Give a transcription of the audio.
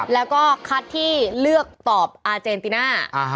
แล้วก็คัดที่เลือกตอบอาเจนติน่า